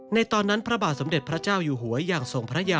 ตอนนั้นพระบาทสมเด็จพระเจ้าอยู่หัวอย่างทรงพระยา